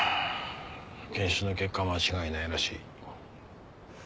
検視の結果間違いないらしい。